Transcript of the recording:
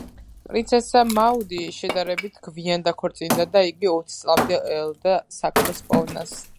პრინცესა მაუდი შედარებით გვიან დაქორწინდა და იგი ოც წლამდე ელოდა საქმროს პოვნას.